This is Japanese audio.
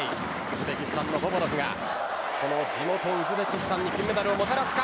ウズベキスタンのボボノフが地元ウズベキスタンに金メダルをもたらすか。